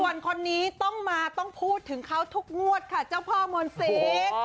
ส่วนคนนี้ต้องมาต้องพูดถึงเขาทุกงวดค่ะเจ้าพ่อมนศรี